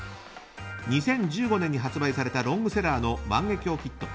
２０１５年に発売されたロングセラーの万華鏡キット。